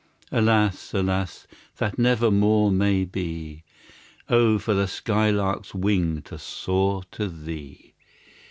Alas, alas! that never more may be. Oh, for the sky lark's wing to soar to thee!